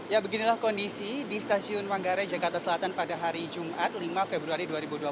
ya beginilah kondisi di stasiun manggarai jakarta selatan pada hari jumat lima februari dua ribu dua puluh tiga